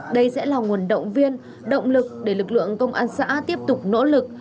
đây sẽ là nguồn động viên động lực để lực lượng công an xã tiếp tục nỗ lực